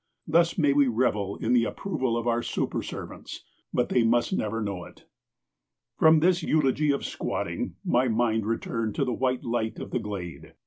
Thus may we revel in the approval of our super servants, but they must never know it. From this eulogy of squatting, my mind returned to the white light of the glade.